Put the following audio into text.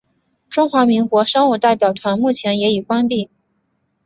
中华民国商务代表团目前也已关闭。